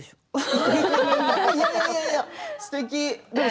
笑い声いやいや、すてき。